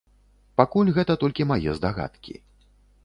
Пакуль гэта толькі мае здагадкі.